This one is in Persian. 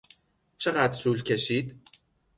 چقدر طول کشید؟